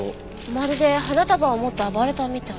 まるで花束を持って暴れたみたい。